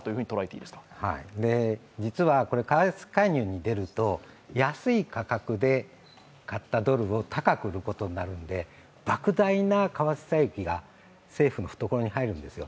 はい、実は為替介入に出ると安い価格で買ったドルを高く売ることになるんで莫大な為替差益が政府の懐に入るんです。